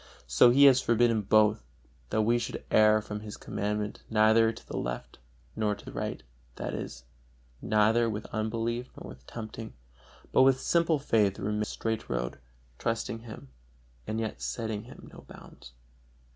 So He has forbidden both, that we should err from His Commandment neither to the left nor to the right, that is, neither with unbelief nor with tempting, but with simple faith remain on the straight road, trusting Him, and yet setting Him no bounds.